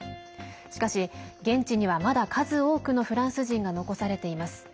しかし現地には、まだ数多くのフランス人が残されています。